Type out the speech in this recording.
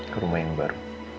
ke rumah yang baru